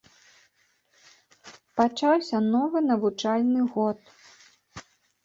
Пачаўся новы навучальны год.